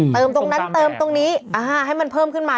เติมตรงนั้นเติมตรงนี้ให้มันเพิ่มขึ้นมา